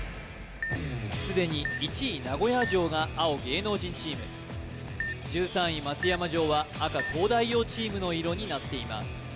すでに１位名古屋城が青芸能人チーム１３位松山城は赤東大王チームの色になっています